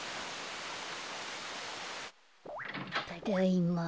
ただいま。